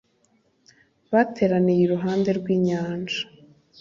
bateraniye iruhande rw’inyanja